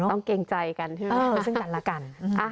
ต้องเก่งใจกันซึ่งกันละกัน